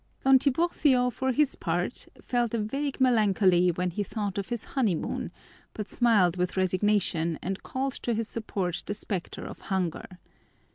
Don Tiburcio, for his part, felt a vague melancholy when he thought of his honeymoon, but smiled with resignation and called to his support the specter of hunger.